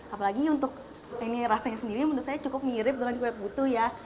apalagi untuk ini rasanya sendiri menurut saya cukup mirip dengan kue putu ya